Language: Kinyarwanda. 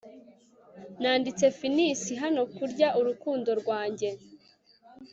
nanditse finis hano kurwanya urukundo rwanjye